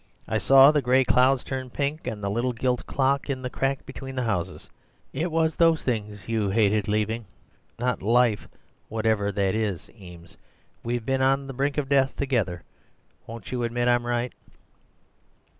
I saw the gray clouds turn pink, and the little gilt clock in the crack between the houses. It was THOSE things you hated leaving, not Life, whatever that is. Eames, we've been to the brink of death together; won't you admit I'm right?